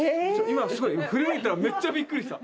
今すごい振り向いたらめっちゃびっくりした。